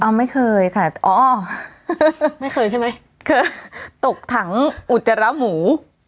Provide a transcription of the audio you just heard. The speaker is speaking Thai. อ้าวไม่เคยค่ะไม่เคยใช่ไหมเคยตกถังอุจจรมูร์